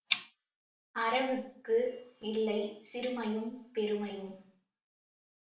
அரவுக்கு இல்லை சிறுமையும் பெருமையும்.